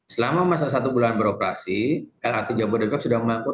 selama masa satu bulan beroperasi lrt jabodebek sudah melakukan